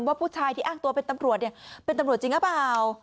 ผู้ชายที่อ้างตัวเป็นตำรวจเป็นตำรวจจริงหรือเปล่า